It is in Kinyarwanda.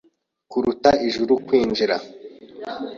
Kuruta ijuru kwinjira